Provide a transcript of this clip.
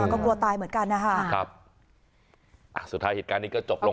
ก็กลัวตายเหมือนกันนะคะครับอ่ะสุดท้ายเหตุการณ์นี้ก็จบลง